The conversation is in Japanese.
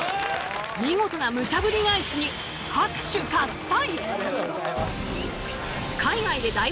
見事なムチャぶり返しに拍手喝采！